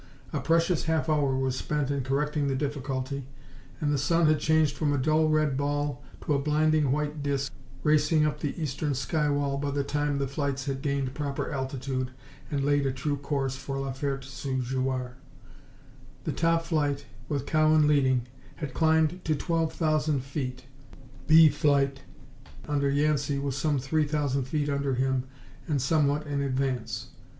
A precious half hour was spent in correcting the difficulty and the sun had changed from a dull red ball to a blinding white disk racing up the eastern sky wall by the time the flights had gained proper altitude and laid a true course for La Ferte sous Jouarre. The top flight, with Cowan leading, had climbed to twelve thousand feet. B Flight, under Yancey, was some three thousand feet under him and somewhat in advance.